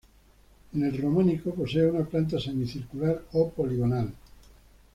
En el Románico posee una planta semicircular o poligonal.